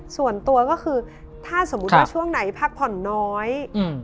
ส่วนตัวก็คือถ้าสมมุติว่าช่วงไหนพักผ่อนน้อย